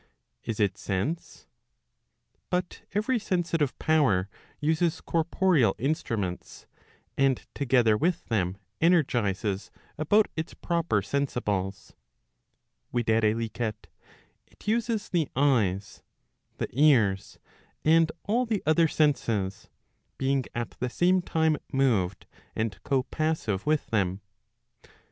Is it sense ? But every sensitive power uses corporeal instruments, and together with them energizes about its proper sensibles; viz. it uses the eyes, the ears, and all the other Senses, being at the same time moved and co passive with them.